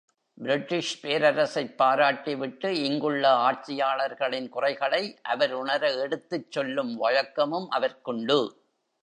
British பேரரசைப் பாராட்டிவிட்டு இங்குள்ள ஆட்சியாளர்களின் குறைகளை அவர் உணர எடுத்துச் சொல்லும் வழக்கமும் அவர்க்குண்டு.